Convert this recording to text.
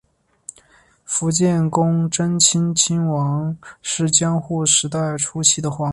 伏见宫贞清亲王是江户时代初期的皇族。